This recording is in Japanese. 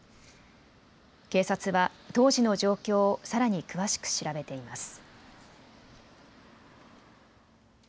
警察は当時の状況をさらに詳しく調べています。